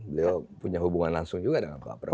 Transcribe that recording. beliau punya hubungan langsung juga dengan pak prabowo